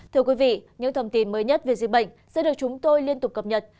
thưa quý vị những thông tin mới nhất về dịch bệnh sẽ được chúng tôi liên tục cập nhật